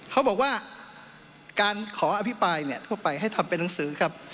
เขาบอกว่าการขออภิปรายทั่วไปให้ทำเป็นหนังสือครับ